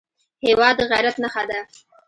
هېواد د غیرت نښه ده.